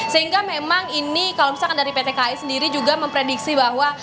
sehingga memang ini kalau misalkan dari pt kai sendiri juga memprediksi bahwa